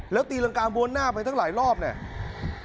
แล้วตีรังกาบ้วนหน้าไปตั้งหลายรอบเนี่ย